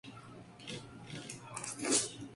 El diseño se orientó al estudio de los microprocesadores.